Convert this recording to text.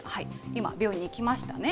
今、病院に行きましたね。